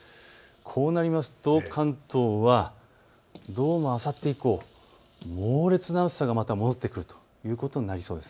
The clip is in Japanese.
こうなると関東はどうもあさって以降、猛烈な暑さがまた戻ってくるということになりそうです。